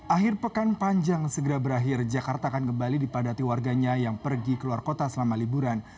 akhir pekan panjang segera berakhir jakarta akan kembali dipadati warganya yang pergi keluar kota selama liburan